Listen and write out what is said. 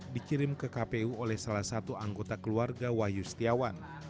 dikirim ke kpu oleh salah satu anggota keluarga wahyu setiawan